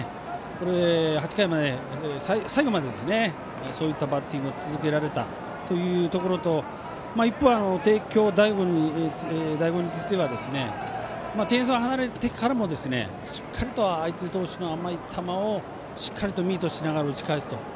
これを最後まで、そういったバッティングを続けられたというところと一方、帝京第五については点差が離れてからもしっかりと相手投手の甘い球をしっかりとミートしながら打ち返すと。